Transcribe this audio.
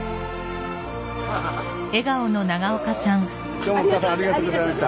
どうもおかあさんありがとうございました。